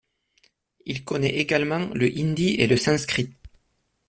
Il connaît également le hindi et le sanskrit.